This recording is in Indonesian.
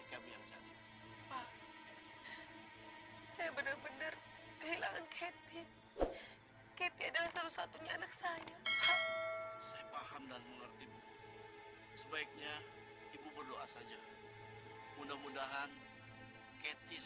ketika kita berdua kita tidak bisa menemukan keti